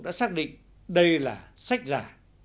đã xác định đây là sách giả